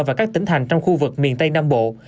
và các tỉnh thành trong khu vực miền tây nam bộ